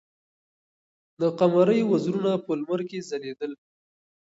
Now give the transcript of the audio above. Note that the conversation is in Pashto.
د قمرۍ وزرونه په لمر کې ځلېدل.